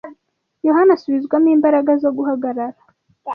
Yohana asubizwamo imbaraga zo guhagarara